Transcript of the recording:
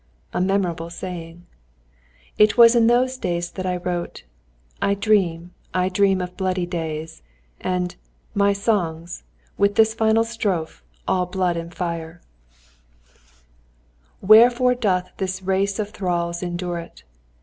_" A memorable saying! It was in those days that he wrote "I dream, I dream of bloody days," and "My Songs," with this final strophe, all blood and fire: "Wherefore doth this race of thralls endure it?